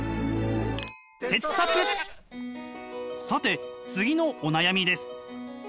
さて次のお悩みです。